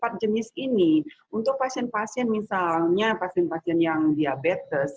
dan jenis ini untuk pasien pasien misalnya pasien pasien yang diabetes